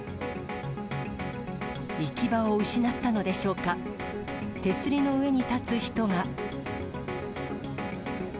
行き場を失ったのでしょうか、手すりの上に立つ人が。